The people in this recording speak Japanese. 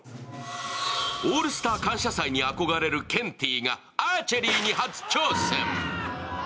「オールスター感謝祭」に憧れるケンティーがアーチェリーに初挑戦。